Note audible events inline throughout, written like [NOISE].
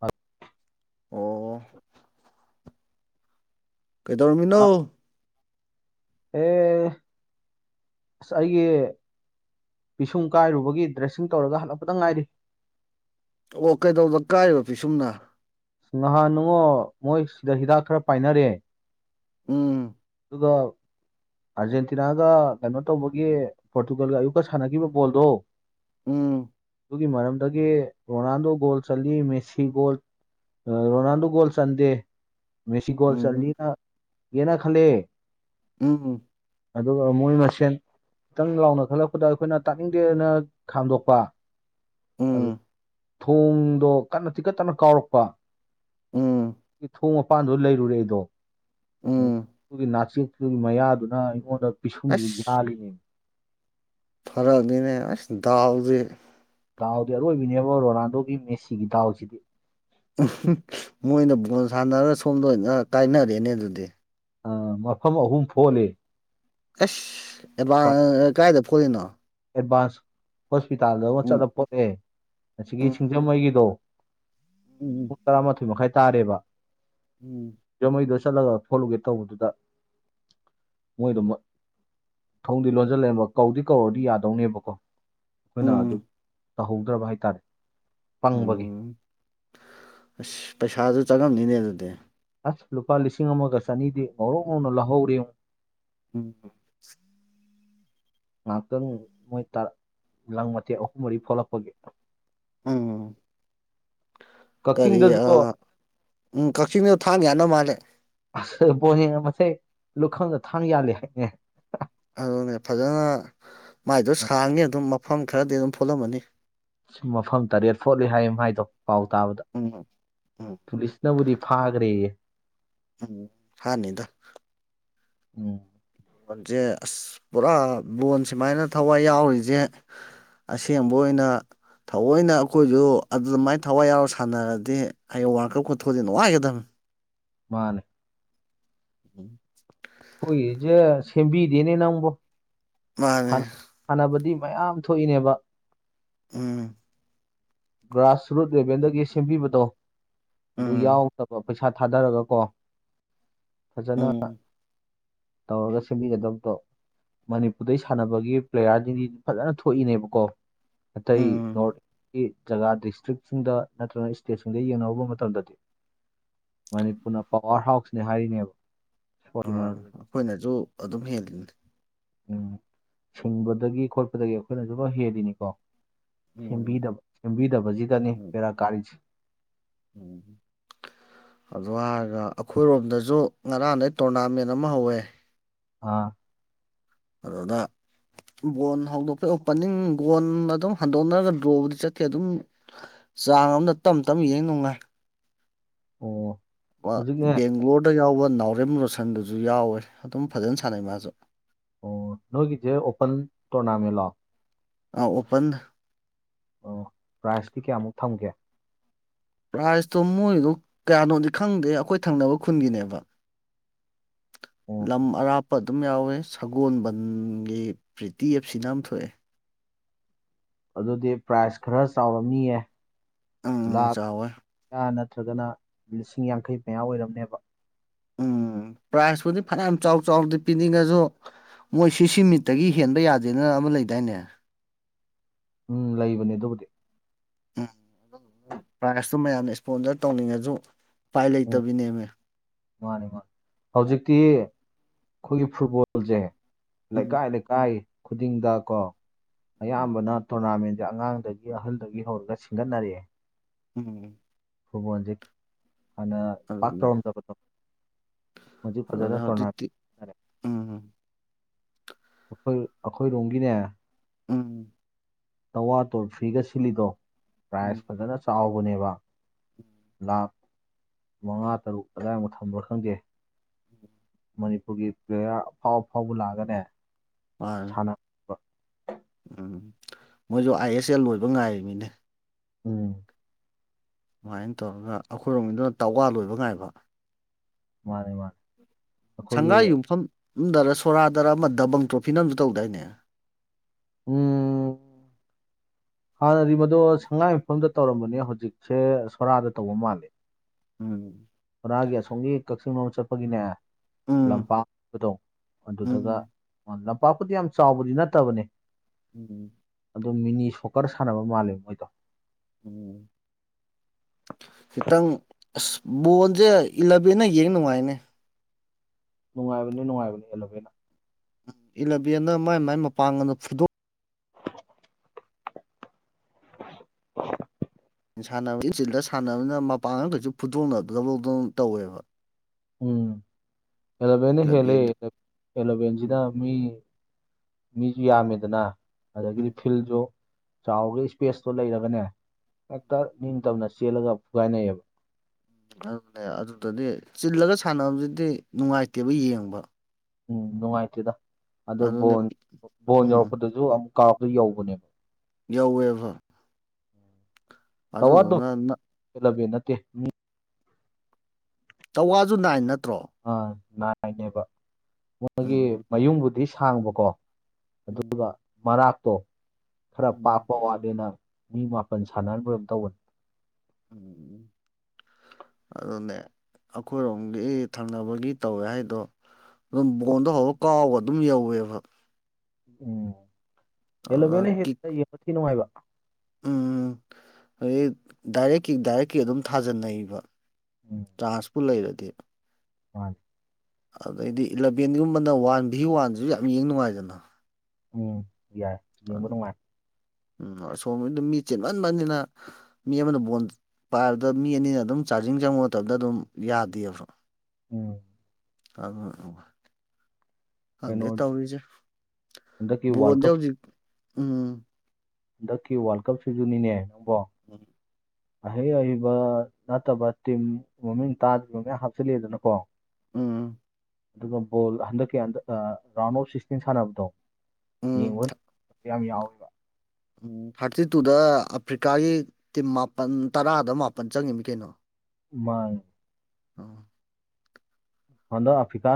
ꯍ ꯑꯣ ꯀꯩꯗꯧꯔꯝꯃꯤꯅꯣ ꯑ ꯑꯦ ꯑꯁ ꯑꯩꯒꯤ ꯄꯤꯁꯨꯡ ꯀꯥꯏꯔꯨꯕꯒꯤ ꯗ꯭ꯔꯦꯁꯤꯡ ꯇꯧꯔꯒ ꯍꯜꯂꯛꯄꯗ ꯉꯥꯏꯔꯤ ꯑꯣ ꯀꯩꯗꯧꯕꯗ ꯀꯥꯏꯔꯤꯕ ꯄꯤꯁꯨꯝꯅ ꯅꯍꯥꯟ ꯅꯨꯡꯉꯣ ꯃꯣꯏ ꯁꯤꯗ ꯍꯤꯗꯥꯛ ꯈꯔ ꯄꯥꯏꯅꯔꯦ ꯎꯝ ꯑꯗꯨꯗꯣ ꯑꯥꯔꯖꯦꯟꯇꯤꯅꯥꯒ ꯀꯩꯅꯣ ꯇꯧꯕꯒꯤ ꯄꯣꯔꯇꯨꯒꯜꯒ ꯑꯌꯨꯛꯀ ꯁꯥꯟꯅꯈꯤꯕ ꯕꯣꯜꯗꯣ ꯎꯝ ꯑꯗꯨꯒꯤ ꯃꯔꯝꯗꯒꯤ ꯔꯣꯅꯥꯜꯗꯣ ꯒꯣꯜ ꯆ ꯃꯦꯁꯤ ꯒꯣꯜ ꯔꯣꯅꯥꯜꯗꯣ ꯒꯣꯜ ꯆꯟꯗꯦ ꯃꯦꯁꯤ ꯒꯣꯜ ꯎꯝ ꯆꯅꯤꯅ ꯌꯦꯅ ꯈꯜꯂꯦ ꯎꯝ ꯑꯗꯨꯒ ꯃꯣꯏ ꯃꯁꯦꯟ ꯈꯤꯇꯪ ꯂꯥꯎꯅ ꯈꯜꯂꯛꯄꯗ ꯑꯩꯈꯣꯏꯅ ꯇꯥꯛꯅꯤꯡꯗꯦꯅ ꯈꯥꯝꯗꯣꯛꯄ ꯑꯗꯨ ꯎꯝ ꯊꯣꯡꯗꯣ ꯀꯟꯅ ꯇꯤꯀꯠꯇꯅ ꯀꯥꯎꯔꯛꯄ ꯎꯝ ꯏ ꯊꯣꯡ ꯃꯄꯥꯟꯗꯣ ꯂꯩꯔꯨꯔꯦ ꯑꯩꯗꯣ ꯎꯝ ꯑꯗꯨꯒꯤ ꯅꯥꯆꯦꯛꯇꯨꯒꯤ ꯃꯌꯥꯗꯨꯅ ꯑꯩꯉꯣꯟꯗ ꯄꯤꯁꯨꯝꯁꯤ ꯌꯥꯜꯂꯤꯅꯦꯕ ꯐꯔꯛꯗꯅꯦ ꯑꯁ ꯗꯗꯥꯎꯗ ꯗꯥꯎꯗꯤ ꯑꯔꯣꯏꯕꯅꯦꯕ ꯔꯣꯅꯥꯜꯗꯣꯒꯤ ꯃꯦꯁꯤꯒꯤ ꯗꯥꯎꯁꯤꯗꯤ ꯃꯣꯏꯅ ꯕꯣꯜ ꯁꯥꯟꯅꯔꯒ ꯁꯣꯝꯗ ꯑꯣꯏꯅ ꯀꯥꯏꯅꯔꯦꯅꯦ ꯑꯗꯨꯗꯤ ꯑ ꯃꯐꯝ ꯑꯍꯨꯝ ꯐꯣꯜꯂꯤ ꯑꯁ ꯑꯦꯚ ꯀꯗꯥꯥꯏꯗ ꯐꯣꯜꯂꯤꯅꯣ ꯑꯦꯗꯚꯥꯟꯁ ꯍꯣꯁꯄꯤꯇꯥꯜꯗ ꯑꯃ ꯎꯝ ꯆꯠꯂ ꯄꯣꯠꯑꯦ ꯑꯁꯤꯒꯤꯒꯤ ꯎꯝ ꯁꯤꯡꯖꯃꯩꯒꯤꯗꯣ ꯎꯝ ꯄꯨꯡ ꯇꯔꯥꯃꯥꯊꯣꯏ ꯃꯈꯥꯏ ꯇꯥꯔꯦꯕ ꯎꯝ ꯖꯃꯩꯗꯣ ꯆꯠꯂꯒ ꯊꯣꯛꯣꯂꯨꯒꯦ ꯇꯧꯕꯗꯨꯗ ꯃꯣꯏꯗꯨ ꯊꯣꯡꯗꯤ ꯂꯣꯟꯁꯤꯜꯂꯕ ꯀꯧꯗꯤ ꯀꯧꯔꯗꯤ ꯌꯥꯗ ꯇꯧꯅꯦꯕꯀꯣ ꯑꯩꯈꯣꯏꯅ ꯑꯗꯨ ꯎꯝ ꯇꯧꯍꯧꯗ꯭ꯔꯕ ꯍꯥꯏꯇꯥꯔꯦ ꯄꯪꯕꯒꯤ ꯎꯝ ꯑꯁ ꯄꯩꯁꯥꯁꯨ ꯆꯪꯉꯝꯅꯤꯅꯦ ꯑꯗꯨꯗꯤ ꯑꯁ ꯂꯨꯄꯥ ꯂꯤꯁꯤꯡ ꯑꯃꯒ ꯆꯅꯤꯗꯤ ꯉꯧꯔꯧ ꯉꯧꯅ ꯂ ꯂꯧꯍꯧꯔꯤꯨ ꯎꯝ ꯉꯥꯏꯍꯥꯛꯇꯪ ꯃꯣꯏ ꯂꯥꯡ ꯃꯇꯊꯦꯛ ꯑꯍꯨꯝ ꯃꯔꯤ ꯊꯣꯛꯂꯛꯄꯒꯤ ꯎꯝ ꯀꯔꯤ ꯀꯛꯆꯤꯡꯗꯁꯨ ꯑ ꯎꯝ ꯀꯛꯆꯤꯡꯗ ꯊꯥꯡ ꯌꯥꯅꯧ ꯃꯥꯜꯂꯦ ꯑꯁꯕꯣꯅꯦꯅ ꯃꯁꯦ ꯂꯨꯈꯪꯗ ꯊꯥꯅ ꯌꯥꯜꯂꯤꯦ ꯍꯥꯏꯅꯦ ꯑꯗꯨꯅꯦ ꯐꯖꯅ ꯃꯥꯏꯗꯣ ꯁꯥꯡꯉꯦ ꯑꯗꯨꯝ ꯃꯐꯝ ꯈꯔꯗꯤ ꯑꯗꯨꯝ ꯐꯣꯠꯂꯝꯃꯅꯤ ꯁ ꯃꯐꯝ ꯇꯔꯦꯠ ꯐꯣꯠꯂꯤ ꯍꯥꯏꯌ ꯍꯥꯏꯗꯣ ꯄꯥꯎ ꯇꯥꯕꯗ ꯎꯝ ꯎꯝ ꯄꯨꯂꯤꯁꯅꯕꯨꯗꯤ ꯐꯥꯈ꯭ꯔꯦ ꯎꯝ ꯍꯥꯅꯤꯗ ꯎꯝ ꯂꯣꯟꯁꯦ ꯑꯁ ꯄꯨꯔꯥ ꯂꯕꯣꯟ ꯁꯨꯃꯥꯏꯅ ꯊꯋꯥꯏ ꯌꯥꯎꯔꯤꯁꯦ ꯑꯁꯦꯡꯕ ꯑꯣꯏꯅ ꯊꯑꯣꯏꯅ ꯑꯩꯈꯣꯏꯁꯨ ꯑꯗꯨꯃꯥꯏ ꯊꯋꯥꯏ ꯌꯥꯎꯔ ꯁꯥꯟꯅꯔꯗꯤ ꯑꯩꯌꯦꯡ ꯋꯥꯔꯀꯔ ꯀꯣꯊꯣꯗꯤ ꯅꯨꯡꯉꯥꯏꯒꯗꯕꯅꯤ ꯃꯥꯅꯦ ꯎꯝ ꯑꯩꯣꯏꯖꯦ ꯁꯦꯝꯕꯤꯗꯦꯅꯦ ꯅꯎꯕꯣ ꯃꯥꯅꯦ ꯁꯥꯟꯅꯕꯗꯤ ꯃꯌꯥꯝ ꯊꯣꯛꯏꯅꯦꯕ ꯎꯝ ꯒ꯭ꯔꯥꯁꯔꯨꯠ ꯂꯦꯚꯦꯜꯗꯒꯤ ꯁꯦꯝꯕꯤꯕꯗꯣ ꯑꯗꯨ ꯎꯝ ꯌꯥꯎꯗꯕ ꯄꯩꯁꯥ ꯊꯥꯗꯔꯒꯀꯣ ꯐꯖꯅ ꯎꯝ ꯇꯧꯔꯒ ꯁꯦꯝꯕꯤꯒꯗꯕꯗꯣ ꯃꯅꯤꯄꯨꯔꯗꯩ ꯁꯥꯟꯅꯕꯒꯤ ꯄ꯭ꯂꯦꯌꯥꯔꯁꯤꯡꯁꯤ ꯐꯖꯅ ꯊꯣꯛꯏꯅꯦꯕꯀꯣ ꯑꯇꯩ ꯎꯝ ꯅꯣꯔꯠ ꯏꯁꯀꯤ ꯖꯒꯥ ꯗꯤꯁꯇ꯭ꯔꯤꯛꯁꯤꯡꯗ ꯅꯠꯇ꯭ꯔꯒ ꯏꯁꯇꯦꯠꯁꯤꯡꯗ ꯌꯦꯡꯅꯍꯨꯕ ꯃꯇꯝꯗꯗꯤ ꯃꯅꯤꯄꯨꯔꯅ ꯄꯋꯥꯔ ꯍꯥꯎꯁꯅꯦ ꯍꯥꯏꯔꯤꯅꯦꯕ ꯑꯥ ꯑꯩꯈꯣꯏꯅꯁꯨ ꯑꯗꯨꯝ ꯍꯦꯜꯜꯂꯤꯅꯤ ꯎꯝ ꯁꯟꯕꯗꯒꯤ ꯈꯣꯠꯄꯗꯒꯤ ꯑꯩꯈꯣꯏꯅꯁꯨꯝ ꯍꯦꯜꯂꯤꯅꯤꯀꯣ ꯎꯝ ꯁꯦꯝꯕꯤꯗꯕ ꯁꯦꯝꯕꯤꯗꯕꯁꯤꯗꯅꯦ ꯎꯝ ꯄꯦꯔꯥ ꯀꯥꯔꯤꯁꯦ ꯎꯝ ꯑꯗꯨ ꯍꯥꯏꯔꯒ ꯑꯩꯈꯣꯏꯔꯣꯝꯗꯁꯨ ꯉꯔꯥꯡꯗꯩ ꯇꯣꯔꯅꯥꯃꯦꯟ ꯑꯃ ꯍꯧꯋꯦ ꯑꯥ ꯑꯗꯨꯅꯥ ꯕꯣꯣꯟ ꯍꯧꯗꯣꯛꯄꯩ ꯑꯣꯄꯟꯅꯤꯡ ꯒꯣꯣꯟ ꯑꯗꯨꯝ ꯍꯟꯗꯣꯛꯅꯔꯒ ꯗ꯭ꯔꯣꯕꯨꯗꯤ ꯆꯠꯀꯦ ꯑꯗꯨꯝ ꯆꯥꯡ ꯑꯃꯝꯗ ꯇꯞ ꯇꯞ ꯌꯦꯡ ꯅꯨꯡꯉꯥꯏ ꯑꯣ ꯀ ꯍꯧꯖꯤꯛꯅꯦ ꯕꯦꯡꯒ꯭ꯂꯣꯔꯗ ꯌꯥꯎꯕ ꯅꯥꯎꯔꯦꯝ ꯔꯣꯁꯟꯗꯨꯁꯨ ꯌꯥꯎꯋꯦ ꯑꯗꯨꯝ ꯐꯖꯅ ꯁꯥꯟꯅꯩ ꯃꯥꯁꯨ ꯑꯣ ꯅꯣꯏꯒꯤꯁꯦ ꯑꯣꯄꯟ ꯇꯣꯔꯅꯥꯃꯦꯟ ꯂꯣ ꯑꯣꯄꯟ ꯑꯣ ꯄ꯭ꯔꯥꯏꯖꯇꯤ ꯀꯌꯥꯃꯨꯛ ꯊꯝꯒꯦ ꯄ꯭ꯔꯥꯏꯖꯇꯣ ꯃꯣꯏꯗꯣ ꯀꯌꯥꯅꯣꯗꯤ ꯈꯪꯗꯦ ꯑꯩꯈꯣꯏ ꯊꯪꯅꯕ ꯈꯨꯟꯒꯤꯅꯦꯕ ꯑꯣ [INAUDIBLE] ꯂꯝ ꯑꯔꯥꯞꯄ ꯑꯗꯨꯝ ꯌꯥꯎꯋꯦ ꯁꯒꯣꯜꯕꯟꯒꯤ ꯄ꯭ꯔꯤꯇꯤ ꯑꯦꯞ ꯁꯤꯅ ꯑꯃ ꯊꯣꯛꯑꯦ ꯑꯗꯨꯗꯤ ꯄ꯭ꯔꯥꯏꯖ ꯈꯔ ꯆꯥꯎꯔ ꯃꯤꯌꯦ ꯎꯝ ꯆꯥꯎꯋꯦ ꯂꯥꯈ ꯅꯠꯇ꯭ꯔꯒꯅ ꯂꯤꯁꯤꯡ ꯌꯥꯡꯈꯩ ꯃꯌꯥ ꯑꯣꯏꯔꯝꯅꯦꯕ ꯎꯝ ꯄ꯭ꯔꯥꯏꯖꯄꯨꯗꯤ ꯐꯅꯌꯥꯝ ꯆꯥꯎ ꯆꯥꯎꯗꯤ ꯄꯤꯅꯤꯡꯉꯁꯨ ꯃꯣꯏ ꯁꯤ ꯁꯤꯃꯤꯠꯇꯒꯤ ꯍꯦꯟꯕ ꯌꯥꯗꯦꯅ ꯑꯃ ꯂꯩꯗꯥꯏꯅꯦ ꯎꯝ ꯂꯩꯕꯅꯦ ꯑꯗꯨꯕꯨꯗꯤ ꯎꯝ ꯄ꯭ꯔꯥꯏꯖꯇꯣ ꯃꯌꯥꯝꯅ ꯏꯁꯄꯣꯟꯖꯔ ꯇꯧꯅꯤꯡꯉꯁꯨ ꯎꯄꯥꯏ ꯂꯩꯇꯕꯤꯅꯦꯃꯦ ꯃꯥꯅꯤ ꯃꯥꯅꯤ ꯍꯧꯖꯤꯛꯇꯤ ꯑꯩꯈꯣꯏꯒꯤ ꯐꯨꯠꯕꯣꯜꯁꯦ ꯎꯝ ꯂꯩꯀꯥꯏꯗ ꯂꯩꯀꯥꯏ ꯈꯨꯗꯤꯡꯗ ꯀꯣ ꯎꯝ ꯑꯌꯥꯝꯕꯅ ꯇꯣꯔꯅꯥꯃꯦꯟꯁꯦ ꯑꯉꯥꯡꯗꯒꯤ ꯑꯍꯜꯗꯒꯤ ꯍꯧꯔꯒ ꯁꯤꯡꯒꯠꯅꯔꯛꯑꯦ ꯎꯝ ꯍꯕꯣꯟꯖꯤꯛ ꯍꯥꯟꯅ ꯄꯥꯛ ꯑꯗꯨꯅꯦ ꯇꯧꯔꯝꯖꯕ ꯇꯣ ꯃꯖꯤ ꯐꯖꯥꯗ ꯑꯗꯨꯅꯦ ꯇꯧꯅꯥ ꯦ ꯍꯧꯖꯤꯛꯇꯤ ꯎꯝ ꯑꯩꯈꯣꯏ ꯑꯩꯈꯣꯏꯔꯣꯝꯒꯤꯅꯦ ꯎꯝ ꯇꯋꯥ ꯇꯣꯜꯐ꯭ꯔꯤꯒ ꯁꯤꯜꯂꯤꯗꯣ ꯎꯝ ꯄ꯭ꯔꯥꯏꯖ ꯐꯖꯅ ꯆꯥꯎꯕꯅꯦꯕ ꯂꯥꯈ ꯃꯉꯥ ꯇꯔꯨꯛ ꯀꯗꯥꯏꯃꯨꯛ ꯊꯝꯕ꯭ꯔꯥ ꯈꯪꯗꯦ ꯃꯅꯤꯄꯨꯔꯒꯤ ꯄ꯭ꯂꯦꯌꯥꯔ ꯑꯐꯥꯎ ꯑꯐꯥꯎꯕ ꯂꯥꯛꯑꯒꯅꯦ ꯍꯣꯏ ꯁꯥꯟꯅꯕ ꯎꯝ ꯃꯣꯏꯁꯨ ꯑꯥꯏ ꯑꯦꯁ ꯑꯦꯜ ꯂꯣꯏꯕ ꯉꯥꯏꯔꯤꯕꯃꯤꯅꯦ ꯎꯝ ꯁꯨꯃꯥꯏꯅ ꯇꯧꯔꯒ ꯑꯩꯈꯣꯏꯔꯣꯝꯒꯤꯗꯨꯅ ꯇꯥꯎꯋꯥ ꯂꯣꯏꯕ ꯉꯥꯏꯕ ꯃꯥꯅꯦ ꯃꯥꯅꯦ ꯑꯩꯈꯣꯏꯒꯤ ꯁꯪꯒꯥꯏ ꯌꯨꯝꯐꯝꯗꯔ ꯁꯣꯔꯥꯗꯔ ꯑꯃ ꯗꯕꯪ ꯇ꯭ꯔꯣꯐꯤꯅ ꯑꯃꯁꯨ ꯇꯧꯗꯏꯅꯦ ꯎꯝ ꯍꯥꯟꯅꯗꯤ ꯃꯗꯨꯣ ꯁꯉꯥꯏ ꯃꯨꯝꯐꯝꯗ ꯇꯧꯔꯝꯕꯅꯦ ꯍꯧꯖꯤꯛꯁꯦ ꯁꯣꯔꯥꯗ ꯇꯧꯕ ꯃꯥꯜꯂꯦ ꯎꯝ ꯕꯣꯔꯥꯒꯤ ꯑꯁꯣꯝꯒꯤ ꯀꯛꯆꯤꯡ ꯑꯃ ꯆꯠꯄꯒꯤꯅꯦ ꯎꯝ ꯂꯝꯄꯥꯛꯄꯗꯣ ꯑꯗꯨꯗꯒ ꯎꯝ ꯂꯝꯄꯥꯛꯄꯨꯗꯤ ꯌꯥꯝ ꯆꯥꯎꯕꯗꯤ ꯅꯠꯇꯕꯅꯦ ꯎꯝ ꯑꯗꯣ ꯃꯤꯅꯤ ꯁꯣꯀꯔ ꯁꯥꯟꯅꯕ ꯃꯥꯜꯂꯦꯕ ꯃꯣꯏꯗꯣ ꯎꯝ ꯈꯤꯇꯪ ꯑꯁ ꯕꯣꯜꯁꯦ ꯏꯂꯚꯦꯟꯅ ꯌꯦꯡ ꯅꯨꯡꯉꯥꯏꯅꯦ ꯅꯨꯡꯉꯥꯏꯕꯅꯤ ꯅꯨꯡꯉꯥꯏꯕꯅꯤ ꯑꯦꯂꯣꯚꯦꯅꯥ ꯏꯂꯚꯦꯟꯗ ꯃꯥꯏ ꯃꯥꯏ ꯃꯄꯥꯡꯒꯗ ꯐꯨꯣ ꯁꯥꯟꯅꯕ ꯏꯟꯆꯤꯜꯗ ꯁꯥꯟꯅꯕꯅꯤꯅ ꯃꯄꯥꯟ ꯉꯇꯁꯨ ꯐꯨꯠꯠꯇꯣꯛꯅꯕ ꯗꯧꯗꯧꯅ ꯇꯧꯋꯦꯕ ꯎꯝ ꯑꯦꯂꯚꯦꯟ ꯍꯦꯂꯦ ꯀ꯭ꯂꯕꯀꯤ ꯑꯦꯂꯚꯦꯟꯁꯤꯅ ꯎꯝ ꯃꯤ ꯃꯤꯁꯨ ꯌꯥꯝꯃꯤꯗꯅ ꯎꯝ ꯑꯗꯒꯤꯗꯤ ꯐꯤꯜꯁꯨ ꯆꯥꯎꯔꯒ ꯏꯁꯄꯦꯁꯇꯣ ꯂꯩꯔꯒꯅꯦ ꯍꯦꯛꯇ ꯅꯤꯡꯇꯝꯅ ꯆꯦꯜꯂꯒ ꯐꯨꯒꯥꯏꯅꯩꯑꯕ ꯑꯗꯨꯅꯦ ꯑꯗꯨꯗꯗꯤ ꯆꯤꯜꯂꯒ ꯁꯥꯟꯅꯕꯁꯤꯗꯤ ꯅꯨꯡꯉꯥꯏꯇꯦꯕ ꯌꯦꯡꯕ ꯎꯝ ꯅꯨꯡꯉꯥꯏꯇꯦꯗ ꯑꯗꯨ ꯑꯗꯨꯅꯦ ꯕꯣꯟ ꯕꯣꯟ ꯎꯝ ꯌꯧꯔꯛꯄꯗꯁꯨ ꯑꯃꯨꯛ ꯀꯥꯔꯛꯇ ꯌꯧꯕꯅꯦꯕ ꯌꯥꯎꯋꯦꯕ ꯇꯋꯥꯗꯣ ꯍꯦꯜꯂꯕꯦ ꯅꯠꯇꯦ ꯆꯋꯥꯁꯨ ꯅꯥꯏꯟ ꯅꯠꯇ꯭ꯔꯣ ꯑꯥ ꯅꯥꯏꯅꯦꯕ ꯃꯣꯏꯒꯤ ꯎꯝ ꯃꯌꯨꯝꯕꯨꯗꯤ ꯁꯥꯡꯕꯀꯣ ꯎꯝ ꯑꯗꯨꯒ ꯃꯔꯥꯛꯇꯣ ꯈꯔ ꯎꯝ ꯄꯥꯞꯄ ꯋꯥꯠꯂ ꯅꯪ ꯃꯤ ꯃꯥꯄꯟ ꯁꯥꯟꯅꯍꯟ ꯂꯣꯏꯝ ꯇꯧꯕꯅꯤ ꯎꯝ ꯑꯗꯨꯅꯦ ꯑꯩꯈꯣꯏꯔꯣꯝꯒꯤ ꯊꯪꯅꯕꯒꯤ ꯇꯧꯋꯦ ꯍꯥꯏꯗꯣ ꯑꯗꯨꯝ ꯕꯣꯟꯗ ꯍꯧꯔ ꯀꯥꯎꯕ ꯑꯗꯨꯝ ꯌꯧꯋꯦꯕ ꯎꯝ ꯑꯗꯨꯒ ꯍꯦꯜꯂꯣꯚꯦꯅ ꯀꯤꯛ ꯍꯦꯛꯇ ꯌꯦꯡꯕ ꯊꯤ ꯅꯨꯡꯉꯥꯏꯕ ꯎꯝ ꯍꯧꯛ ꯗꯥꯏꯔꯦꯛꯀꯤ ꯗꯥꯏꯔꯦꯛꯀꯤ ꯑꯗꯨꯝ ꯊꯥꯖꯅꯩꯕ ꯆꯥꯟꯁꯄꯨ ꯂꯩꯔꯗꯤ ꯑ ꯑꯗꯩꯗꯤ ꯏꯂꯚꯦꯟꯒꯨꯝꯕꯅ ꯋꯥꯟ ꯚꯤ ꯋꯥꯟꯁꯤꯁꯨ ꯌꯥꯝ ꯌꯦꯡ ꯅꯨꯡꯉꯥꯏꯖꯅ ꯎꯝ ꯌꯥꯏ ꯌꯦꯡꯕ ꯅꯨꯡꯉꯥꯏ ꯎꯝ ꯑꯁꯣꯝ ꯑꯗꯨꯝ ꯃꯤ ꯆꯦꯟꯃꯟꯕꯅꯤꯅ ꯃꯤ ꯑꯃꯅ ꯕꯣꯟ ꯄꯥꯏꯕꯗ ꯃꯤ ꯑꯅꯤꯅ ꯑꯗꯨꯝ ꯆꯥꯔꯖꯤꯡ ꯆꯪꯕꯨ ꯃꯇꯝꯗ ꯑꯗꯨꯝ ꯌꯥꯗꯦꯕ꯭ꯔꯣ ꯎꯝ ꯑꯗꯨ ꯀꯩꯅꯣ ꯈꯪꯗꯦ ꯇꯧꯔꯤꯁꯦ ꯍꯟꯗꯛꯀꯤ ꯋꯥꯔꯜ ꯕꯣꯠꯁꯦ ꯀꯞ ꯍꯧꯖꯤꯛ ꯎꯝ ꯍꯟꯗꯛꯀꯤ ꯋꯥꯔꯜ ꯀꯞꯁꯤꯁꯨ ꯅꯦ ꯅꯪꯕꯣ ꯎꯝ ꯑꯍꯩ ꯑꯏꯩꯕ ꯅꯠꯇꯕ ꯇꯤꯝ ꯃꯃꯤꯡ ꯇꯥꯗ꯭ꯔꯤꯕ ꯃ ꯃꯌꯥꯝ ꯍꯥꯞꯆꯤꯜꯂꯤꯗꯅꯀꯣ ꯎꯝ ꯑꯗꯨꯒ ꯕꯣꯜ ꯍꯟꯗꯛꯀꯤ ꯍꯟꯗꯛ ꯔꯥꯎꯟ ꯑꯣꯐ ꯁꯤꯛꯁꯇꯤꯟ ꯁꯥꯟꯅꯕꯗꯣ ꯎꯝ ꯌꯦꯡꯕ ꯌꯥꯝ ꯌꯥꯎꯋꯕ ꯎꯝ ꯊꯥꯔꯇꯤ ꯇꯨꯗ ꯑꯐ꯭ꯔꯤꯀꯥꯒꯤ ꯇꯤꯝ ꯃꯥꯄꯜ ꯇꯔꯥꯗ ꯃꯥꯄꯜ ꯆꯪꯉꯤꯃꯤ ꯀꯩꯅꯣ ꯃꯥꯅꯦ ꯑ ꯍꯟꯗꯛ ꯑꯐ꯭ꯔꯤꯀꯥ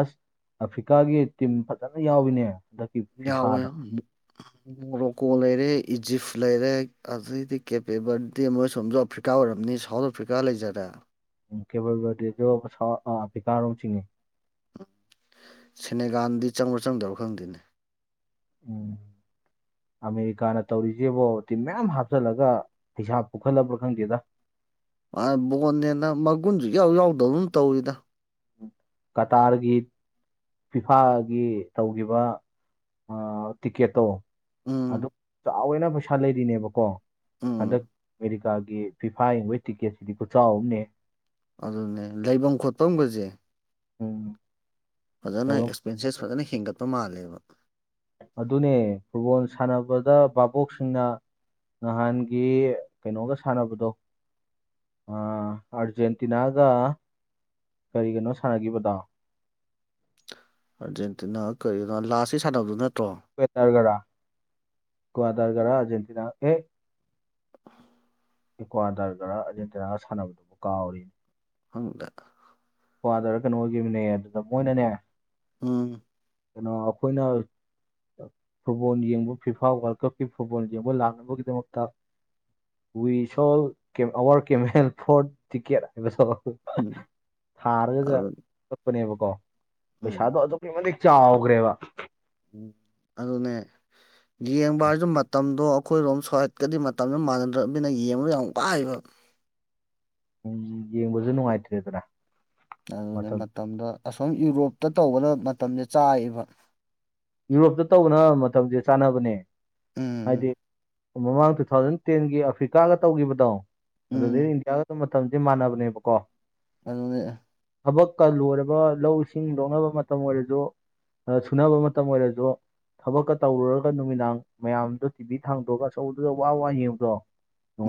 ꯑꯐ꯭ꯔꯤꯀꯥꯒꯤ ꯇꯤꯝ ꯐꯖꯅ ꯌꯥꯎꯔꯤꯅꯦ ꯌꯥꯑꯣ ꯌꯥ ꯃꯣꯔꯣꯛꯀꯣ ꯂꯩꯔꯦ ꯏꯖꯤꯞ ꯂꯩꯔꯦ ꯑꯗꯩꯗꯤ ꯀꯦꯄꯦꯕꯔꯗꯦ ꯃꯣꯏ ꯁꯣꯝꯗꯐ꯭ꯔꯤꯀ ꯑꯔꯤꯀꯥ ꯑꯣꯏꯔꯔꯕꯅꯤ ꯁꯥꯎꯠ ꯑꯐ꯭ꯔꯤꯀꯥ ꯂꯩꯖꯔꯦ ꯎ ꯀꯦꯕꯜꯗꯤ ꯤꯀꯥꯔꯣ ꯆꯤꯡꯏꯤ ꯁꯦꯅꯦꯒꯥꯟꯗꯤ ꯆꯪꯕ꯭ꯔꯣ ꯆꯪꯗꯧꯔꯣ ꯈꯪꯗꯦꯅꯦ ꯎꯝ [INAUDIBLE] ꯑꯃꯦꯔꯤꯀꯥꯅ ꯇꯧꯔꯤꯁꯤꯦꯕꯣ ꯇꯤꯝ ꯃꯌꯥꯝ ꯍꯥꯞꯆꯤꯜꯂꯒ ꯄꯩꯁꯥ ꯄꯨꯈꯠꯂꯕ꯭ꯔꯥ ꯈꯪꯗꯦꯗ ꯑ ꯕꯣꯟꯅꯦꯅ ꯃꯒꯨꯟꯁꯨ ꯌꯥꯎ ꯌꯥꯎꯗꯕꯅ ꯇꯧꯔꯤꯗ ꯀꯇꯔ ꯒꯤꯠ ꯐꯤꯐꯥꯒꯤ ꯇꯧꯈꯤꯕ ꯇꯤꯀꯦꯠꯇꯣ ꯑꯗꯨ ꯎꯝ ꯆꯥꯎꯋꯦꯅ ꯄꯩꯁꯥ ꯂꯩꯔꯤꯅꯦꯕꯀꯣ ꯍꯟꯗꯛꯦ ꯎꯝ ꯒꯤ ꯐꯤꯐꯥ ꯌꯦꯡꯕꯒꯤ ꯇꯤꯛꯀꯦꯠꯁꯤꯗꯤ ꯈꯨꯆꯥꯎ ꯑꯃꯅꯦ ꯑꯗꯨꯅꯦ ꯂꯩꯐꯝ ꯈꯣꯠꯐꯝꯒꯁꯦ ꯎꯝ ꯐꯖꯅ ꯂꯩꯕꯝ ꯑꯦꯛꯁꯄꯦꯟꯁꯦꯁ ꯐꯖꯅ ꯍꯦꯟꯒꯠꯄ ꯃꯥꯜꯂꯦꯕ ꯑꯗꯨꯅꯦ ꯐꯨꯠꯕꯣꯜ ꯁꯥꯟꯅꯕꯗ ꯚꯥꯕꯣꯛꯁꯤꯡꯅ ꯅꯍꯥꯟꯒꯤ ꯀꯩꯅꯣꯒ ꯁꯥꯟꯅꯕꯗꯣ ꯑꯥꯔꯖꯦꯟꯇꯤꯅꯥꯒ ꯀꯔꯤ ꯀꯅꯣ ꯁꯥꯟꯅꯈꯤꯕꯗꯣ ꯑꯥꯔꯖꯦꯟꯇꯤꯅꯥ ꯀꯔꯤꯒꯤꯅꯣ ꯂꯥꯁꯁꯤ ꯁꯥꯟꯅꯕꯗꯨ ꯅꯠꯇ꯭ꯔꯣ ꯋꯦꯔꯒꯔꯥ ꯭ꯋꯥꯗꯔꯒꯔꯥ ꯑꯔꯖꯦꯟꯇꯤꯅꯥ ꯑꯦ ꯏꯀ꯭ꯋꯥꯗꯥꯔꯒꯔ ꯑꯔꯖꯦꯟꯇꯤꯅꯥꯒ ꯁꯥꯟꯅꯕꯗꯨꯕꯨ ꯀꯥꯎꯔꯤꯅꯤ ꯍꯪꯗ ꯀꯗꯔ ꯀꯩꯅꯣ ꯑꯣꯏꯈꯤꯕꯅꯦ ꯑꯗꯨꯗ ꯃꯣꯏꯅꯅꯦ ꯎꯝ ꯀꯩꯅꯣ ꯑꯩꯈꯣꯏꯅ ꯐꯨꯠꯕꯣꯜ ꯌꯦꯡꯕ ꯐꯤꯐꯥ ꯋꯥꯔꯜ ꯀꯞꯀꯤ ꯐꯨꯠꯕꯣꯜ ꯌꯦꯡꯕ ꯂꯥꯛꯅꯕꯒꯤꯗꯃꯛꯇ ꯋꯤ ꯁꯣ ꯑꯋꯥꯔ ꯀꯦꯃꯦꯦꯜ ꯐꯣꯔ ꯇꯤꯀꯦꯠ ꯍꯥꯏꯕꯗꯣ ꯎꯝ ꯊꯥꯔꯒꯒ ꯑꯗꯨ ꯆꯠꯄꯅꯦꯕꯀꯣ ꯎꯝ ꯄꯩꯁꯥꯗꯣ ꯑꯗꯨꯛꯀꯤ ꯃꯇꯤꯛ ꯆꯥꯎꯈ꯭ꯔꯦꯕ ꯎꯝ ꯑꯗꯨꯅꯦ ꯌꯦꯡꯕ ꯍꯥꯏꯔꯁꯨ ꯃꯇꯝꯗꯣ ꯑꯩꯈꯣꯏꯔꯣꯝ ꯁ꯭ꯍꯠꯀꯗꯤ ꯃꯇꯝꯗꯨ ꯃꯥꯟꯅꯗ꯭ꯔꯕꯅꯤꯅ ꯌꯦꯡꯕ ꯌꯥꯝ ꯋꯥꯏꯑꯕ ꯎꯝ ꯌꯦꯡꯕꯁꯨ ꯅꯨꯡꯉꯥꯏꯇ꯭ꯔꯦꯗꯔ ꯑꯗꯨꯅꯦ ꯃꯇꯝꯗ ꯑꯁꯣꯝ ꯌꯨꯔꯣꯞꯇ ꯇꯧꯕꯗ ꯃꯇꯝꯁꯦ ꯆꯥꯏꯕ ꯌꯨꯔꯣꯞꯇ ꯇꯧꯕꯅ ꯃꯇꯝꯁꯦ ꯆꯥꯟꯅꯕꯅꯦ ꯍꯥꯏꯗꯤ ꯎꯝ ꯃꯃꯥꯡ ꯇꯨ ꯊꯥꯎꯖꯟ ꯇꯦꯟꯒꯤ ꯑꯐ꯭ꯔꯤꯀꯥꯒ ꯇꯧꯈꯤꯕꯗꯣ ꯎꯝ ꯎꯝ ꯑꯗꯨꯗꯗꯒꯤ ꯏꯟꯗꯤꯌꯥꯒ ꯑꯗꯨ ꯃꯇꯝꯁꯤ ꯃꯥꯟꯅꯕꯅꯦꯕꯀꯣ ꯑꯗꯨꯅꯦ ꯊꯕꯛꯀ ꯂꯣꯏꯔꯕ ꯂꯧ ꯏꯁꯤꯡ ꯂꯣꯛꯅꯕ ꯃꯇꯝ ꯑꯣꯏꯔꯁꯨ ꯁꯨꯅꯕ ꯃ ꯑꯣꯏꯔꯦꯁꯨꯣ ꯊꯕꯛꯀ ꯇꯧꯔꯨꯔꯒ ꯅꯨꯃꯤꯗꯥꯡ ꯃꯌꯥꯝꯗꯣ ꯇꯤꯚꯤ ꯊꯥꯡꯗꯣꯛꯑꯒ ꯑꯆꯧꯧꯕꯗꯨꯗ ꯋꯥ ꯋꯥ ꯌꯦꯡꯕꯗꯣ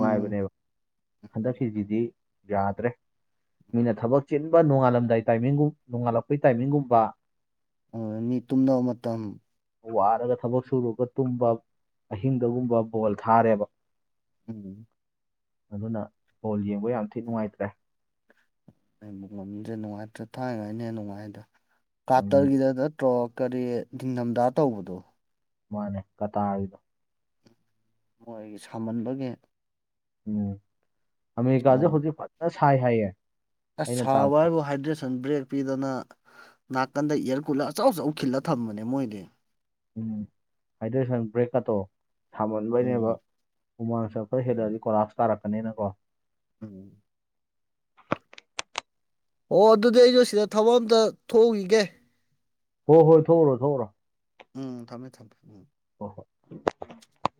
ꯎꯝ ꯍꯟꯗꯛꯀꯤꯁꯤꯗꯤ ꯌꯥꯗ꯭ꯔꯦ ꯃꯤꯅ ꯊꯕꯛ ꯆꯤꯟꯕ ꯅꯣꯡꯉꯥꯜꯂꯝꯗꯥꯏ ꯇꯥꯏꯃꯤꯡꯒꯨꯝ ꯅꯣꯡꯉꯥꯜꯂꯛꯄꯒꯤ ꯇꯥꯏꯃꯤꯡꯒꯨꯝꯕ ꯃꯤ ꯇꯨꯝꯅꯕ ꯃꯇꯝ ꯋꯥꯔꯒ ꯊꯕꯛ ꯁꯨꯔꯒ ꯇꯨꯝꯕ ꯑꯍꯤꯡꯗꯒꯨꯝꯕ ꯕꯣꯜ ꯊꯥꯔꯦꯕ ꯎꯝ ꯑꯗꯨꯅ ꯕꯣꯜ ꯌꯦꯡꯕ ꯌꯥꯝ ꯊꯤ ꯅꯨꯡꯉꯥꯏꯇ꯭ꯔꯦ ꯑꯩꯃꯨꯛ ꯉꯟꯁꯦ ꯅꯨꯡꯉꯥꯏꯇ꯭ꯔꯦ ꯊꯥꯡꯉꯩꯅꯦ ꯅꯨꯡꯉꯥꯏꯗ ꯎꯝ ꯀꯥꯇꯔꯒꯤꯗ ꯅꯠꯇ꯭ꯔꯣ ꯀꯔꯤ ꯅꯤꯡꯊꯝꯊꯥ ꯇꯧꯕꯗꯣ ꯃꯥꯅꯦ ꯀꯇꯥꯔꯤꯗꯣ ꯃꯣꯏꯒꯤ ꯁꯥꯃꯟꯕꯒꯤ ꯎꯝ ꯑꯃꯦꯔꯤꯀꯥꯥꯁꯦ ꯎꯝ ꯍꯧꯖꯤꯛ ꯐꯖꯅ ꯁꯥꯏ ꯍꯥꯏꯌꯦ ꯑꯁ ꯑꯩꯅ ꯇꯥꯕ ꯁꯥꯕ ꯍꯥꯏꯕꯨ ꯍꯥꯏꯗ꯭ꯔꯦꯁꯟ ꯕ꯭ꯔꯦꯛ ꯄꯤꯗꯅ ꯅꯥꯀꯟꯗ ꯏꯌꯥꯔ ꯀꯨꯂꯔ ꯑꯆꯧ ꯑꯆꯧ ꯈꯤꯜꯂ ꯊꯝꯕꯅꯦ ꯃꯣꯏꯗꯤ ꯎꯝ ꯍꯥꯏꯗꯔꯦ ꯁꯟ ꯕ꯭ꯔꯦꯛꯀꯛꯇꯣ ꯁꯥꯃꯟꯕꯩꯅꯦꯕ ꯎꯝ ꯎꯨꯃꯥꯡꯁ ꯈꯔ ꯎꯝ ꯍꯦꯜꯂꯛꯑꯗꯤ ꯀꯣꯂꯥꯞꯁ ꯀꯥꯔꯛꯀꯅꯤꯅꯀꯣ ꯎꯝ ꯑꯣ ꯑꯗꯨꯗꯤ ꯑꯩꯩꯅꯣ ꯁꯤꯗ ꯊꯕꯛ ꯑꯝꯇ ꯊꯣꯛꯎꯈꯤꯒꯦ ꯍꯣꯏ ꯍꯣꯏ ꯊꯣꯛꯎꯔꯣ ꯊꯣꯛꯎꯔꯣ ꯎꯝ ꯊꯝꯃꯦ ꯊꯝꯃꯦ ꯎꯝ ꯍꯣ ꯍꯣꯏ